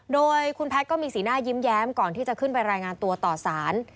โดยคุณแพทย์ก็มีสีหน้ายิ้มแย้มก่อนที่จะขึ้นไปรายงานตัวต่อสาร